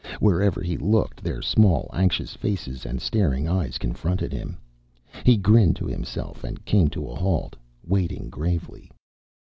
Wherever he looked their small, anxious faces and staring eyes confronted him. He grinned to himself and came to a halt, waiting gravely.